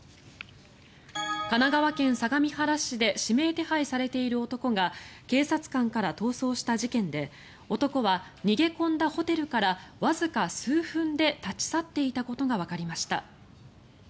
神奈川県相模原市で指名手配されている男が警察官から逃走した事件で男は逃げ込んだホテルからわずか数分で立ち去っていたことがわかりました。